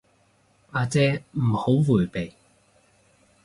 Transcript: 阿姐唔好迴避